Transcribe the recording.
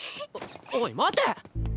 おい待て！